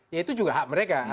ya itu juga hak mereka